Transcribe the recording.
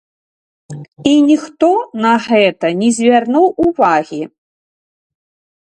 І ніхто на гэта не звярнуў увагі!